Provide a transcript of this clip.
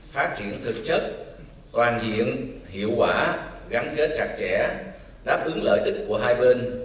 phát triển thực chất toàn diện hiệu quả gắn kết chặt chẽ đáp ứng lợi ích của hai bên